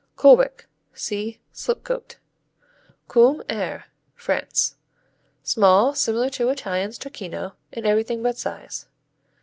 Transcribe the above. Colwick see Slipcote. Combe air France Small; similar to Italian Stracchino in everything but size.